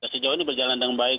dan sejauh ini berjalan dengan baik